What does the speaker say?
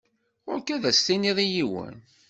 Ɣuṛ-k ad as-tiniḍ i yiwen.